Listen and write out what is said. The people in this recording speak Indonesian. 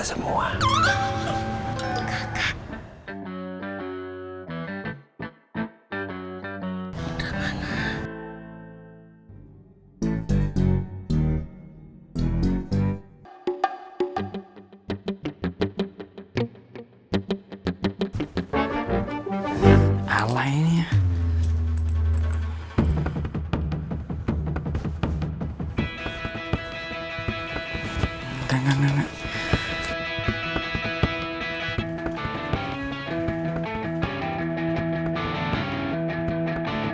ini rumah orang tuanya indra